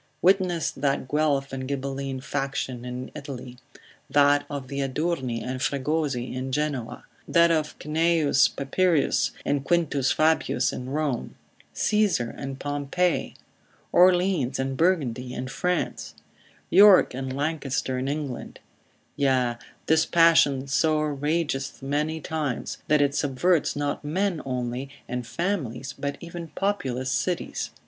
Witness that Guelph and Ghibelline faction in Italy; that of the Adurni and Fregosi in Genoa; that of Cneius Papirius, and Quintus Fabius in Rome; Caesar and Pompey; Orleans and Burgundy in France; York and Lancaster in England: yea, this passion so ragethmany times, that it subverts not men only, and families, but even populous cities.